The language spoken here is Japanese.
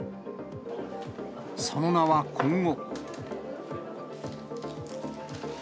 その名は今後。